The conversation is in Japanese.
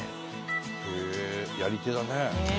へえやり手だね。